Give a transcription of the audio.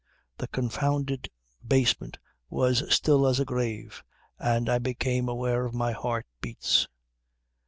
The confounded basement was as still as a grave and I became aware of my heart beats.